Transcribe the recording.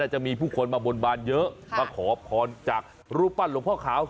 จะมีผู้คนมาบนบานเยอะมาขอพรจากรูปปั้นหลวงพ่อขาว